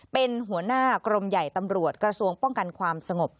เป็นหัวหน้ากรมใหญ่ตำรวจกระทรวงป้องกันความสงบ